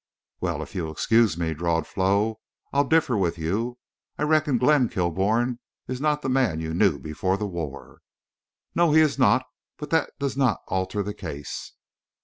"Well, if you'll excuse me," drawled Flo, "I'll differ with you. I reckon Glenn Kilbourne is not the man you knew before the war." "No, he is not. But that does not alter the case."